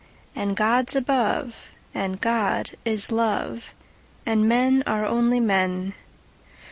And God's above, and God is love, And men are only men.